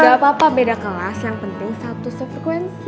gak apa apa beda kelas yang penting satu sekuensi